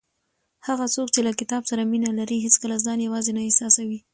هغه څوک چې له کتاب سره مینه لري هیڅکله ځان یوازې نه احساسوي.